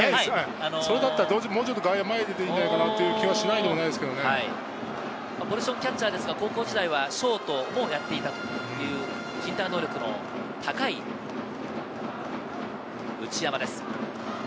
それだったらもうちょっと外野、前に出ていいんじゃないかなといポジションはキャッチャーですが、高校時代はショートをやっていたという身体能力の高い内山です。